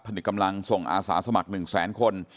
นึกกำลังส่งอาสาสมัคร๑แสนคน